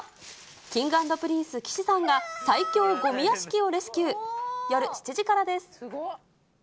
Ｋｉｎｇ＆Ｐｒｉｎｃｅ・岸さんが、最強ごみ屋敷をレスキュー。